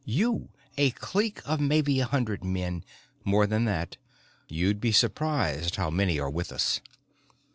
"You, a clique of maybe a hundred men...." "More than that. You'd be surprised how many are with us."